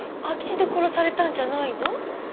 空き地で殺されたんじゃないの？